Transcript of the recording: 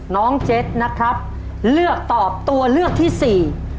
น้องเจ็ดนะครับเลือกตอบตัวเลือกที่สี่